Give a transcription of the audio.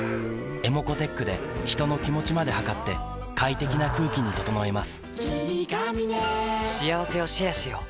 ｅｍｏｃｏーｔｅｃｈで人の気持ちまで測って快適な空気に整えます